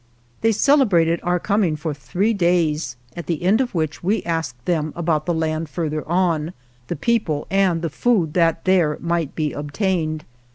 They celebrated our coming for three days, at the end of which we asked them about the land further on, the people and the food that there might be obtained.